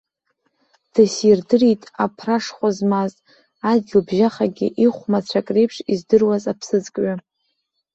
Дысирдырит аԥрашхәа змаз, адгьылбжьахагьы ихәмацәак реиԥш издыруаз аԥсыӡкҩы.